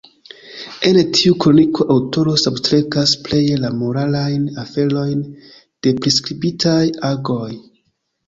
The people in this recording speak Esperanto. En tiu kroniko aŭtoro substrekas pleje la moralajn aferojn de priskribitaj agoj.